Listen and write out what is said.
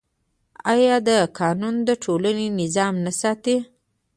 آیا دا قانون د ټولنې نظم نه ساتي؟